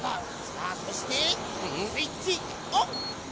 さあそしてスイッチオン！